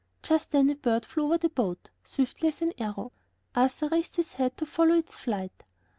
Just then a bird flew over the boat, swiftly as an arrow. Arthur raised his head to follow its flight.